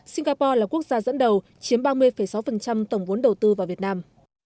singapore là quốc gia dẫn đầu chiếm ba mươi sáu tổng vốn đầu tư vào việt nam